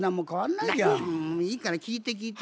いいから聞いて聞いて。